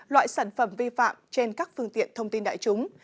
loại sản phẩm vi phạm trên các phương tiện thông tin đại chúng